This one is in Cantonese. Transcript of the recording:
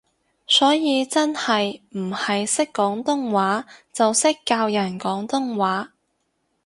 所以真係唔係識廣東話就識教人廣東話